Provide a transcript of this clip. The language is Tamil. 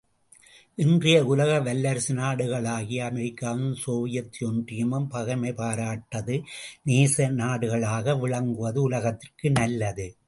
இன்றைய உலக வல்லரசு நாடுகளாகிய அமெரிக்காவும் சோவியத் ஒன்றியமும் பகைமை பாராட்டாது நேச நாடுகளாக விளங்குவது உலகத்திற்கு நல்லது.